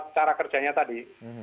cara kerjanya tadi